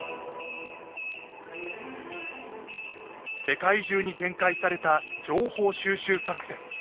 世界中に展開された情報収集作戦。